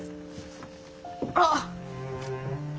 あっ。